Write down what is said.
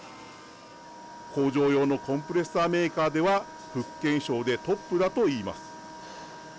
工場用のコンプレッサーメーカーでは福建省でトップだと言います。